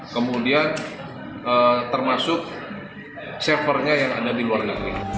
kemudian termasuk servernya yang ada di luar negeri